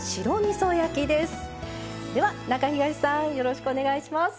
では中東さんよろしくお願いします。